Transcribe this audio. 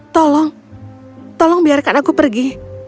tolong tolong biarkan aku pergi